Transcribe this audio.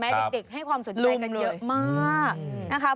ให้เด็กให้ความสนใจกันเยอะมาก